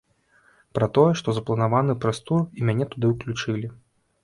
Пра тое, што запланаваны прэс-тур і мяне туды ўключылі.